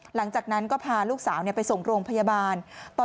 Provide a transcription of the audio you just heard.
หลังจากนั้นก็พาลูกสาวไปส่งโรงพยาบาล